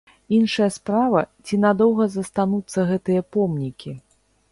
Іншая справа, ці надоўга застануцца гэтыя помнікі?